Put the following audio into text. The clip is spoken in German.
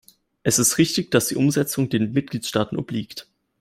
Es ist richtig, dass die Umsetzung den Mitgliedstaaten obliegt.